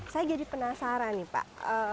saya jadi penasaran nih pak